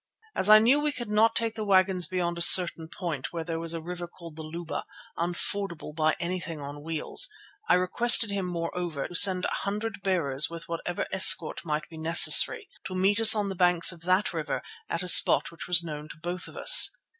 As I knew we could not take the wagons beyond a certain point where there was a river called the Luba, unfordable by anything on wheels, I requested him, moreover, to send a hundred bearers with whatever escort might be necessary, to meet us on the banks of that river at a spot which was known to both of us.